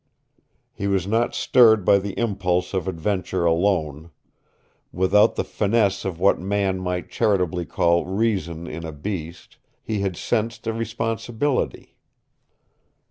He was not stirred by the impulse of adventure alone. Without the finesse of what man might charitably call reason in a beast, he had sensed a responsibility.